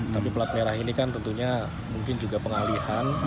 tapi pelat merah ini kan tentunya mungkin juga pengalihan